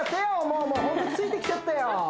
もうもうホントついてきちゃってよ